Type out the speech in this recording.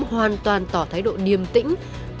hoàn toàn tỏ thái độ niềm tĩnh